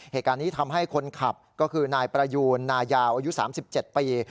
เหตุการณ์นี้ทำให้คนขับก็คือนายประยูนนายาวอายุ๓๗ปี